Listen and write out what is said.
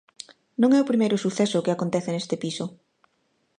Non é o primeiro suceso que acontece neste piso.